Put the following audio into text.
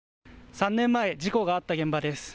３年前、事故があった現場です。